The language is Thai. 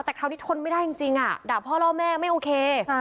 แต่คราวนี้ทนไม่ได้จริงด่าพ่อล่อแม่ไม่โอเค